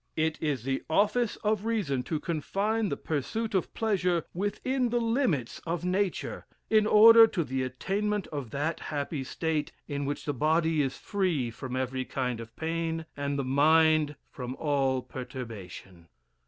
It is the office of reason to confine the pursuit of pleasure within the limits of nature, in order to the attainment of that happy state, in which the body is free from every kind of pain, and the mind from all perturbation.